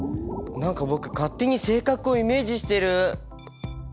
何か僕勝手に性格をイメージしてる！